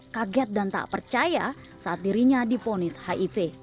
kaget dan tak percaya saat dirinya difonis hiv